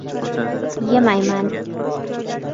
— Yemayman!